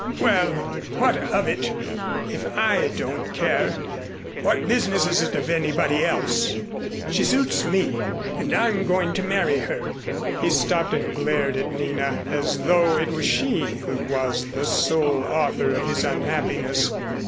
Well, what of it? If I don't care, what business is it of anybody else? She suits me and I'm going to marry her." He stopped and glared at Nina, as though it was she who was the sole author of his unhappiness.